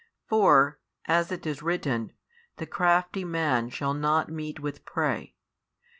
For, as it is written, the crafty man shall not meet with prey.